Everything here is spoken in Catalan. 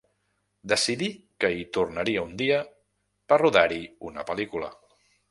Decidí que hi tornaria un dia per rodar-hi una pel·lícula.